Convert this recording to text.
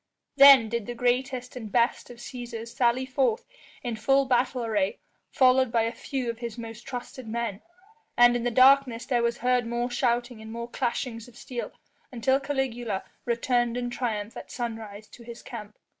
Then did the greatest and best of Cæsars sally forth in full battle array followed by a few of his most trusted men, and in the darkness there was heard more shouting and more clashings of steel until Caligula returned in triumph at sunrise to his camp.